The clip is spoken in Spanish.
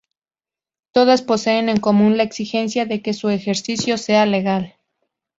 Todas poseen en común la exigencia de que su ejercicio sea legal.